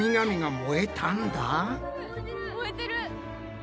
燃えてる！